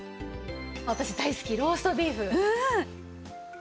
私大好きローストビーフ。